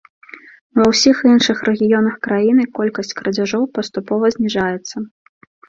Ва ўсіх іншых рэгіёнах краіны колькасць крадзяжоў паступова зніжаецца.